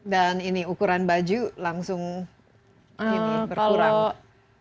dan ini ukuran baju langsung berkurang